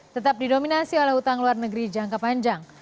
tetap didominasi oleh utang luar negeri jangka panjang